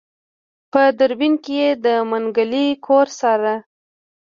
په دوربين کې يې د منګلي کور څاره.